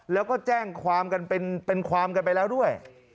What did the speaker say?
แล้วก็แจ้งความกันเป็นความกันไปแล้วด้วย